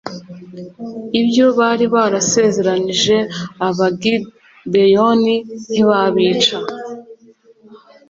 ibyo bari barasezeranyije abagibeyoni ntibabica